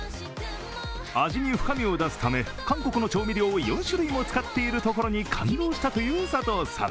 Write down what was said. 味に深みを出すために韓国の調味料を４種類を使っているところに感動したという佐藤さん。